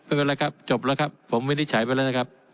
ไม่เป็นไรครับจบแล้วครับผมวินิจฉัยไปแล้วนะครับ